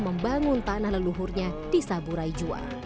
membangun tanah leluhurnya di saburai jua